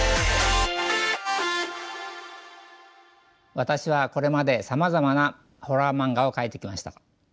私はこれまでさまざまなホラー漫画を描いてきました。